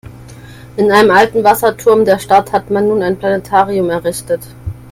In einem alten Wasserturm der Stadt hat man nun ein Planetarium errichtet.